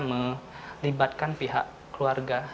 melibatkan pihak keluarga